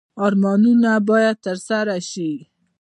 ارمانونه باید ترسره شي